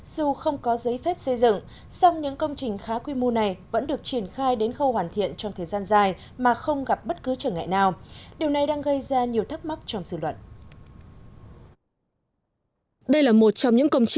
dù không có giấy phép xây dựng song những công trình khá quy mô này vẫn được triển khai đến khâu hoàn thiện trong thời gian dài mà không gặp bất cứ trở ngại nào điều này đang gây ra nhiều thắc mắc trong dự luận